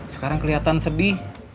sekarang kelihatan sedih